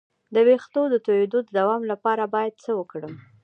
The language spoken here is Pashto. د ویښتو د تویدو د دوام لپاره باید څه وکړم؟